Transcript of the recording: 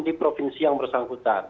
di provinsi yang bersangkutan